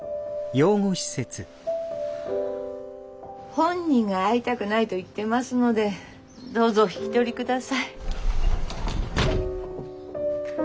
本人が会いたくないと言ってますのでどうぞお引き取り下さい。